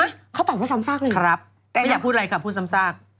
เขาตอบว่าซ้ำซากหนึ่งครับไม่อยากพูดอะไรค่ะพูดซ้ำซาก